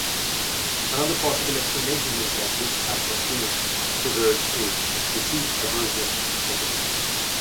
Another possible explanation is that this type of game triggers a deceit aversion mechanism.